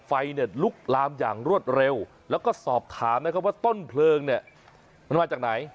ไฟเนี่ยลุกลามอย่างรวดเร็วแล้วก็สอบถามนะครับว่าต้นเพลิงเนี่ยมันมาจากไหน